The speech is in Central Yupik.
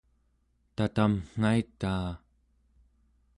tatamn͞gaitaa